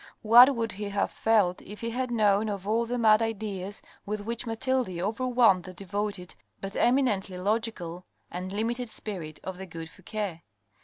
What would he have felt if he had known of all the mad ideas with which Mathilde overwhelmed the devoted but eminently logical and limited spirit of the good Fouque ?